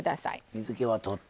水けはとって。